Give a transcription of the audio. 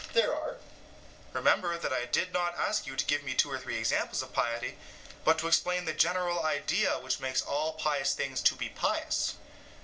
EUTHYPHRO: There are. SOCRATES: Remember that I did not ask you to give me two or three examples of piety, but to explain the general idea which makes all pious things to be pious.